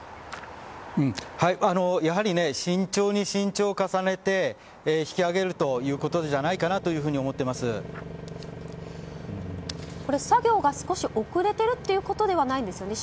やはり慎重に慎重を重ねて引き揚げるということじゃ作業が少し遅れているということではないんですよね。